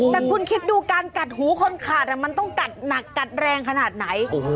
แต่คุณคิดดูการกัดหูคนขาดมันต้องกัดหนักกัดแรงขนาดไหน